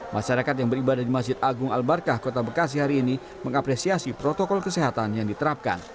masyarakat yang beribadah di masjid agung al barkah kota bekasi hari ini mengapresiasi protokol kesehatan yang diterapkan